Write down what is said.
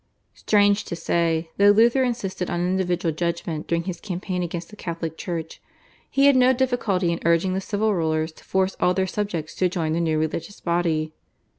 Strange to say, though Luther insisted on individual judgment during his campaign against the Catholic Church, he had no difficulty in urging the civil rulers to force all their subjects to join the new religious body.